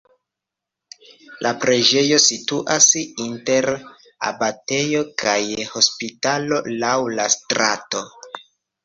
La preĝejo situas inter abatejo kaj hospitalo laŭ la strato.